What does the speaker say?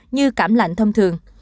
như cảm lạnh thông thường